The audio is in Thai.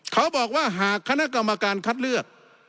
เขาบอกว่าหากคณะกรรมการคัดเลือก